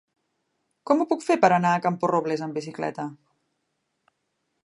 Com ho puc fer per anar a Camporrobles amb bicicleta?